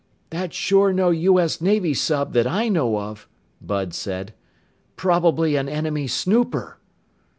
"That's sure no U.S. Navy sub that I know of," Bud said. "Probably an enemy snooper."